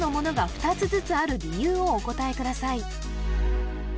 ２つずつある理由をお答えください